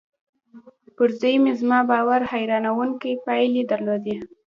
پر زوی مې زما باور حيرانوونکې پايلې درلودې.